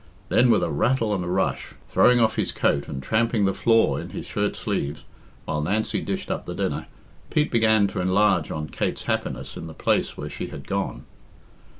Then with a rattle and a rush, throwing off his coat and tramping the floor in his shirt sleeves, while Nancy dished up the dinner, Pete began to enlarge on Kate's happiness in the place where she had gone.